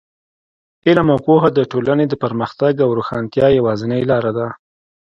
علم او پوهه د ټولنې د پرمختګ او روښانتیا یوازینۍ لاره ده.